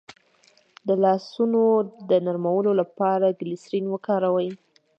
د لاسونو د نرموالي لپاره ګلسرین وکاروئ